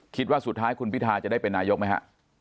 คิดว่าสุดท้ายคุณพิทาจะได้เป็นนายกไหมฮะ